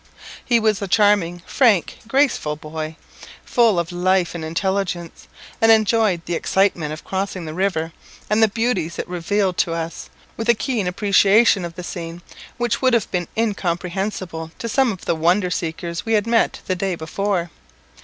He was a charming, frank, graceful boy, full of life and intelligence, and enjoyed the excitement of crossing the river, and the beauties it revealed to us, with a keen appreciation of the scene, which would have been incomprehensible to some of the wonder seekers we had met the day before.